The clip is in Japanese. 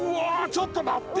ちょっと待って！